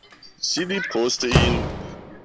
Sie liebkoste ihn.